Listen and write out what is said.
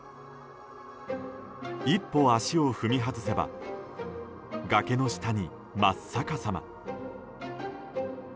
１歩、足を踏み外せば崖の下に真っ逆さま。